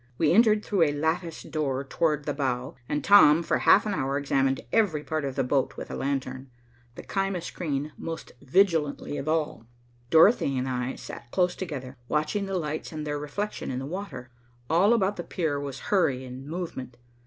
We entered through a latticed door toward the bow, and Tom for half an hour examined every part of the boat with a lantern, the caema screen most vigilantly of all. Dorothy and I sat close together, watching the lights and their reflection in the water. All about the pier was hurry and movement.